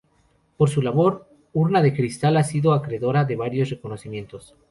Por su labor, Urna de Cristal ha sido acreedora de varios reconocimientos.